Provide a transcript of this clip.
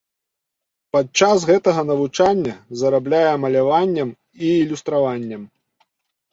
Падчас гэтага навучання зарабляе маляваннем і ілюстраваннем.